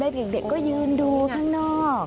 เด็กก็ยืนดูข้างนอก